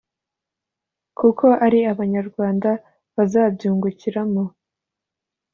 kuko ari Abanyarwanda bazabyungukiramo